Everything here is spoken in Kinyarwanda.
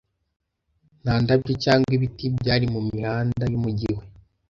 Nta ndabyo cyangwa ibiti byari mu mihanda y'umujyi we.